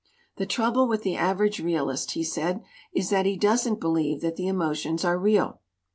"The trouble with the average realist," he said, "is that he doesn't believe that the emo tions are real.